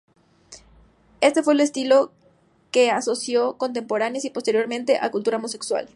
Este fue el estilo que se asoció contemporánea y posteriormente a la cultura homosexual.